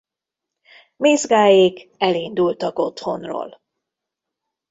Mézgáék elindultak otthonról.